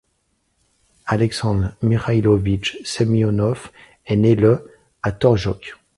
Alexandre Mikhaïlovitch Semionov est né le à Torjok.